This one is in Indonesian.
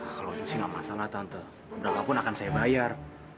kalau untuk sih nggak masalah tante berapapun akan saya bayar